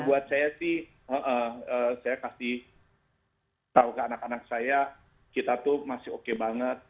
buat saya sih saya kasih tahu ke anak anak saya kita tuh masih oke banget